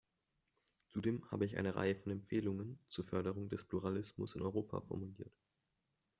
Zudem habe ich eine Reihe von Empfehlungen zur Förderung des Pluralismus in Europa formuliert.